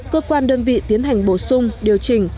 cơ quan đơn vị tiến hành bổ sung điều chỉnh